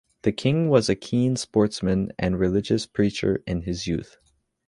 The King was a keen sportsman and religious preacher in his youth.